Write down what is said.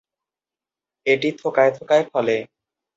এটি থোকায় থোকায় ফলে।